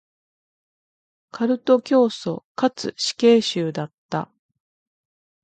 カルト教祖かつ死刑囚だった。